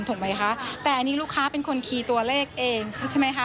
ถูกไหมคะแต่อันนี้ลูกค้าเป็นคนคีย์ตัวเลขเองใช่ไหมคะ